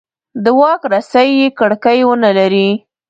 د واک رسۍ یې کړکۍ ونه لري.